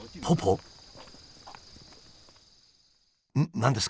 何ですか？